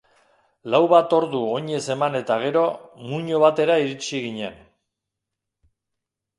Lau bat ordu oinez eman eta gero, muino batera iritsi ginen.